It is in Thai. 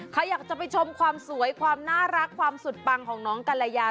ใครอยากจะไปชมความสวยความน่ารักความสุดปังของน้องกัลยา